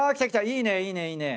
いいねいいねいいね。